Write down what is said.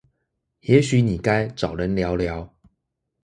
也許你該找人聊聊